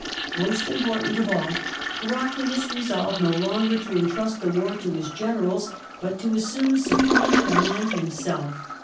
Most important of all, Heraclius resolved no longer to entrust the war to his generals, but to assume Campaigns supreme command himself.